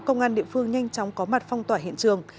công an địa phương nhanh chóng có mặt phong tỏa hiện trường